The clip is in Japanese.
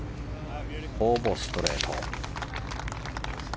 ほぼストレート。